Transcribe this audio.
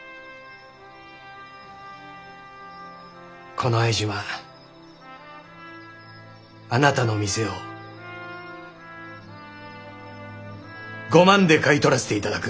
この相島あなたの店を５万で買い取らせていただく。